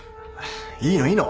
いいのいいの。